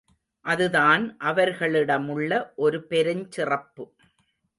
அதுதான் அவர்களிடமுள்ள ஒரு பெருஞ் சிறப்பு.